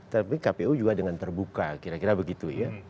tapi kpu juga dengan terbuka kira kira begitu ya